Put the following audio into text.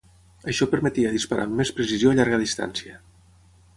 Això permetia disparar amb més precisió a llarga distància.